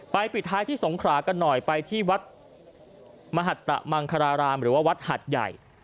ปิดท้ายที่สงขรากันหน่อยไปที่วัดมหัตตะมังคารารามหรือว่าวัดหัดใหญ่